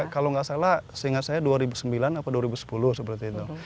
kalau nggak salah seingat saya dua ribu sembilan atau dua ribu sepuluh seperti itu